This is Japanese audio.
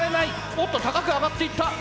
おっと高く上がっていった。